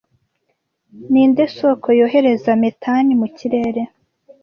Ninde soko yohereza metani mu kirere